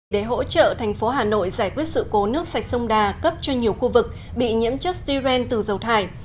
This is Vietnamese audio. để hỗ trợ thành phố hà nội giải quyết sự cố nước sạch sông đà cấp cho nhiều khu vực bị nhiễm chất styrene từ dầu thải